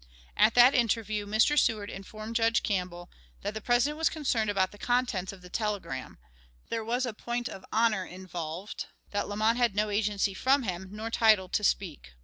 At that interview Mr. Seward informed Judge Campbell that "the President was concerned about the contents of the telegram there was a point of honor involved; that Lamon had no agency from him, nor title to speak."